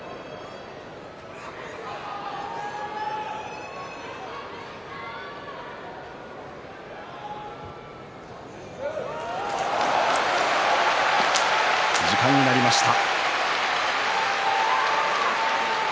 拍手時間になりました。